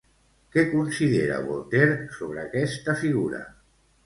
Què considera Voltaire sobre aquesta figura?